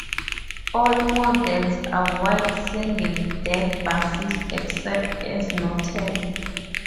All models are wide single-deck buses, except as noted.